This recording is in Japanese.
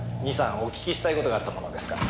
２３お聞きしたい事があったものですから。